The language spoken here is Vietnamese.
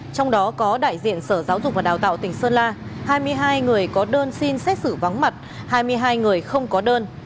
trong đó có đại diện sở giáo dục và đào tạo tỉnh sơn la hai mươi hai người có đơn xin xét xử vắng mặt hai mươi hai người không có đơn